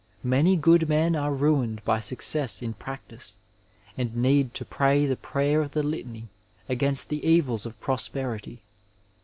Many good men are ruined by success in practice, and need to pray the prayer of the Litany against the evils of prosperity.